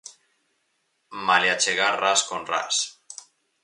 Malia chegar ras con ras.